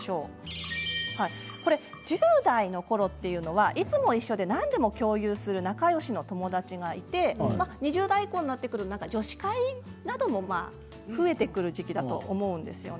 １０代のころというのはいつも一緒で何でも共有する仲よしの友達がいて２０代以降になってくると女子会なども増えてくる時期だと思うんですよね。